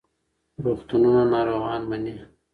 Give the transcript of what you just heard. روغتونونه ناروغان مني.